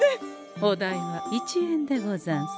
お代は１円でござんす。